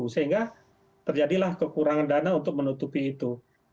sehingga terjadilah kekurangan dana untuk menutupi itu